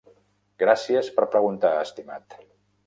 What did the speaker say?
Gràcies per preguntar, estimat.